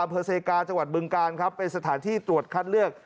ประเศกาจังหวัดบึงการเป็นสถานที่ตรวจคัดเลือก